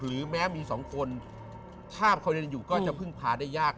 หรือแม้มี๒คนถ้าเขายังอยู่จะพึ่งพาได้ยาก